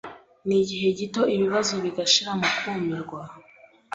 n'igihe gito ibibazo bigashira mukumirwa